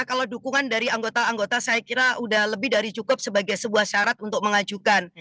kalau dukungan dari anggota anggota saya kira sudah lebih dari cukup sebagai sebuah syarat untuk mengajukan